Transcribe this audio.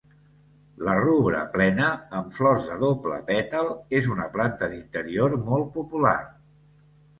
La 'Rubra Plena', amb flors de doble pètal, és una planta d'interior molt popular.